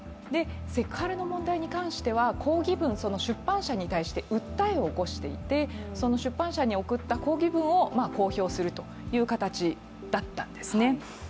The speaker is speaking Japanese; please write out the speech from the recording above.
セクハラの問題に関しては抗議文、出版社に対して訴えを起こしていて、その出版社に送った抗議文を公表するという形だったんですね。